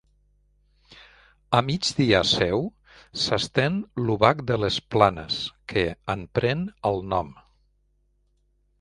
A migdia seu s'estén l'Obac de les Planes, que en pren el nom.